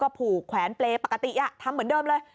ผูกแขวนเปรย์ปกติทำเหมือนเดิมเลย